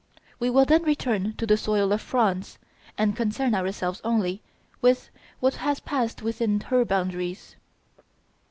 We will then return to the soil of France, and concern ourselves only with what has passed within her boundaries.